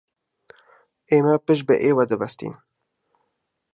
ئێمە پشت بە ئێوە دەبەستین.